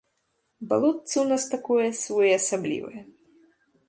Балотца ў нас такое своеасаблівае.